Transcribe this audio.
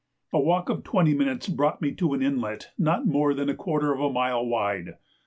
A walk of twenty minutes brought me to an inlet not more than a quarter of a mile wide.